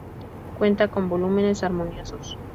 Cuenta con volúmenes armoniosos.